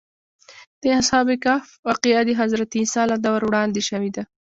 د اصحاب کهف واقعه د حضرت عیسی له دور وړاندې شوې ده.